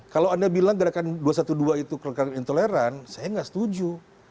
kalau anda bilang gerakan dua ratus dua belas itu intoleran saya nggak setuju